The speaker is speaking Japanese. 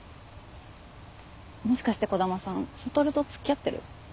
もしかして兒玉さん羽とつきあってる？